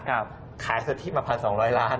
ขายสุชิตที่พางที่๒ร้อยล้าน